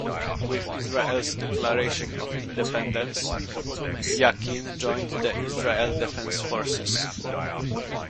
With Israel's Declaration of Independence, Yakin joined the Israel Defense Forces.